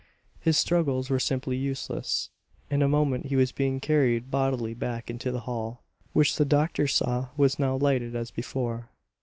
His struggles were simply useless. In a moment he was being carried bodily back into the hall, which the doctor saw was now lighted as before.